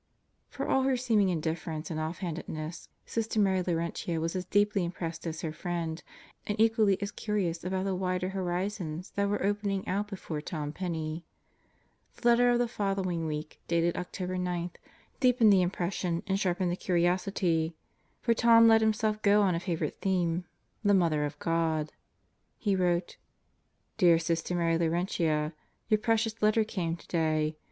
For all her seeming indifference and offhandedness, Sister Mary Laurentia was as deeply impressed as her friend, and equally as curious about the wider horizons that were opening out before Tom Penney. The letter of the following week, dated October 9, deepened the impression and sharpened the curiosity, for Tom let himself go on a favorite theme the Mother of God. He wrote: Dear Sister Mary Laurentia: Your precious letter came today.